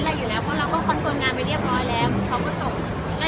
แล้วเราก็จะช่องความหล่อของพี่ต้องการอันนี้นะครับ